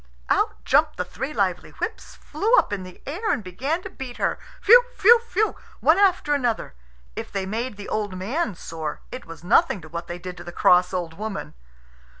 Out jumped the three lively whips, flew up in the air, and began to beat her phew! phew! phew! one after another. If they made the old man sore, it was nothing to what they did to the cross old woman.